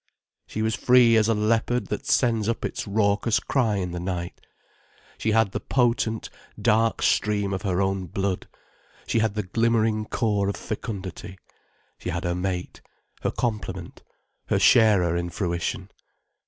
She was free as a leopard that sends up its raucous cry in the night. She had the potent, dark stream of her own blood, she had the glimmering core of fecundity, she had her mate, her complement, her sharer in fruition.